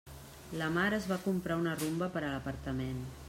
La Mar es va comprar una Rumba per a l'apartament.